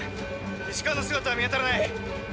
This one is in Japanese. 石川の姿は見当たらない。